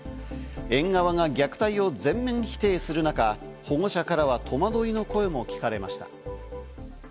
園側が虐待を全面否定する中、保護者からは戸惑いの声も聞かれました。